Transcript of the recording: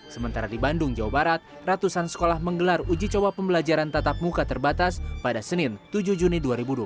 sementara di bandung jawa barat ratusan sekolah menggelar uji coba pembelajaran tatap muka terbatas pada senin tujuh juni dua ribu dua puluh